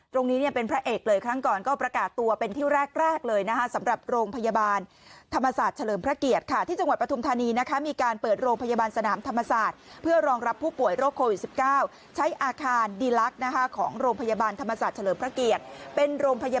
ตรงนี้เนี่ยเป็นพระเอกเลยครั้งก่อนก็ประกาศตัวเป็นที่แรกเลยนะคะสำหรับโรงพยาบาลธรรมศาสตร์เฉลิมพระเกียรติค่ะที่จังหวัดปฐุมธานีนะคะมีการเปิดโรงพยาบาลสนามธรรมศาสตร์เพื่อรองรับผู้ป่วยโรคโควิด๑๙ใช้อาคารดีลักษณ์นะคะของโรงพยาบาลธรรมศาสตร์เฉลิมพระเกียรติเป็นโรงพยาบาล